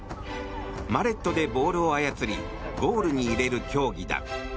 マレットでボールを操りゴールに入れる競技だ。